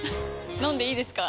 飲んでいいですか？